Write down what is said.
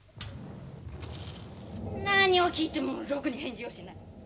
何を聞いてもろくに返事をしない。